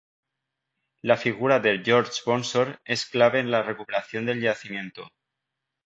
La figura de Jorge Bonsor es clave en la recuperación del yacimiento.